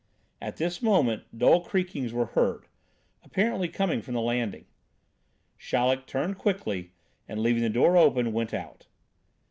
At this moment dull creakings were heard, apparently coming from the landing. Chaleck turned quickly, and, leaving the door open, went out.